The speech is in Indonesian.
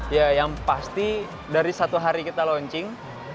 ya yang pasti dari satu hari kita launching